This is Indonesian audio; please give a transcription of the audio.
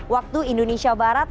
waktu indonesia barat